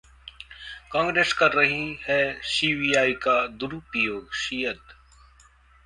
कांग्रेस कर रही है सीबीआई का दुरूपयोगः शिअद